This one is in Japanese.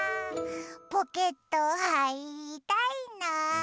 ポケットはいりたいな。